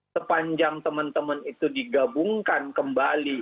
sepanjang teman teman itu digabungkan kembali